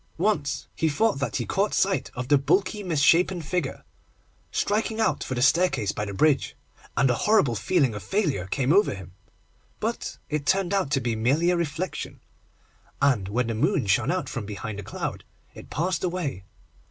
Once he thought that he caught sight of the bulky misshapen figure striking out for the staircase by the bridge, and a horrible feeling of failure came over him, but it turned out to be merely a reflection, and when the moon shone out from behind a cloud it passed away.